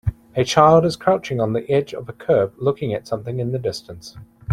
A child is crouching on the edge of a curb looking at something in the distance.